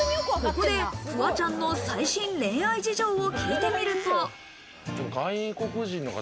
ここでフワちゃんの最新恋愛事情を聞いてみると。